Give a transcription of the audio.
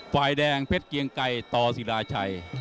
ฝ่ายแดงเพชรเกียงไก่ต่อศิราชัย